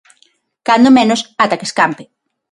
Cando menos, ata que escampe.